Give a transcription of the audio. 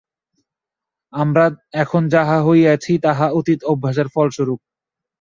আমরা এখন যাহা হইয়াছি, তাহা অতীত অভ্যাসের ফলস্বরূপ।